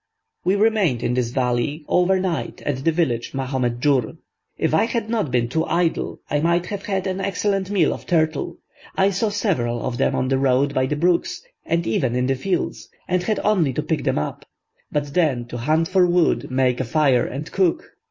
We remained in this valley, over night, at the village Mahomed Jur. If I had not been too idle I might have had an excellent meal of turtle. I saw several of them on the road by the brooks, and even in the fields, and had only to pick them up. But then to hunt for wood, make a fire, and cook!